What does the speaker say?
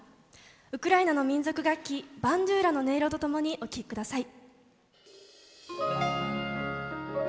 ウクライナの民族楽器バンドゥーラの音色と共にお聴き下さい。